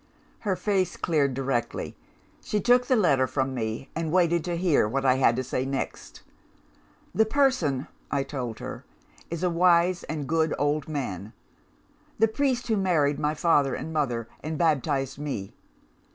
"Her face cleared directly. She took the letter from me, and waited to hear what I had to say next. 'The person,' I told her, 'is a wise and good old man the priest who married my father and mother, and baptised me.